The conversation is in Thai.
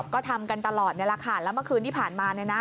ก็ทำกันตลอดแล้วค่ะแล้วเมื่อคืนที่ผ่านมา